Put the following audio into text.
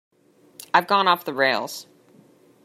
I've gone off the rails.